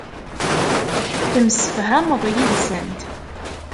Temsefhameḍ yid-sent.